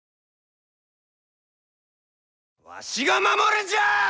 わしが守るんじゃあ！